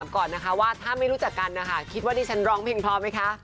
ก่อนนะคะว่าถ้าไม่รู้จักกันนะคะคิดว่าดิฉันร้องเพลงพร้อมไหมคะ